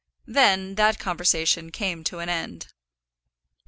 Then that conversation came to an end.